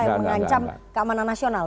yang mengancam keamanan nasional